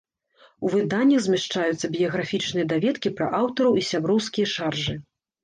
У выданнях змяшчаюцца біяграфічныя даведкі пра аўтараў і сяброўскія шаржы.